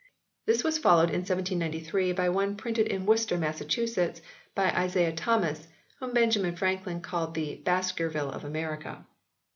This was followed in 1793 by one printed in Worcester, Massachusetts, by Isaiah Thomas, whom Benjamin Franklin called the " Basker ville of America."